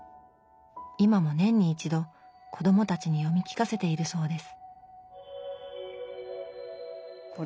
今も年に一度子どもたちに読み聞かせているそうです